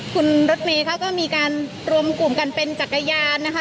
คุณรถเมย์ค่ะก็มีการรวมกลุ่มกันเป็นจักรยานนะคะ